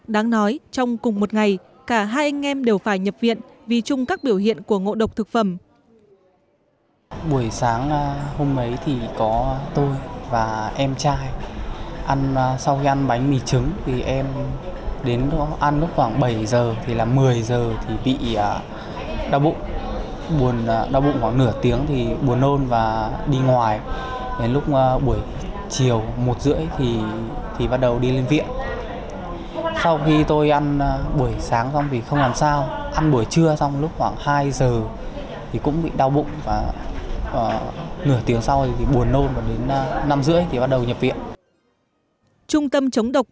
đáng nói trong cùng một ngày cả hai anh em đều phải nhập viện vì chung các biểu hiện của ngộ độc thực phẩm